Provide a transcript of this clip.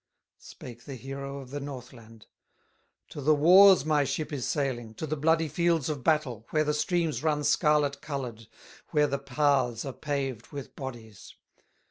Spake the hero of the Northland: "To the wars my ship is sailing, To the bloody fields of battle, Where the streams run scarlet colored, Where the paths are paved with bodies."